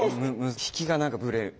引きが何かブレる。